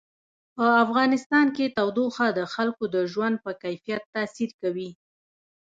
په افغانستان کې تودوخه د خلکو د ژوند په کیفیت تاثیر کوي.